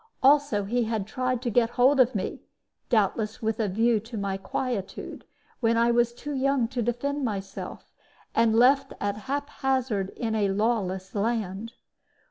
Also he had tried to get hold of me doubtless with a view to my quietude when I was too young to defend myself, and left at haphazard in a lawless land.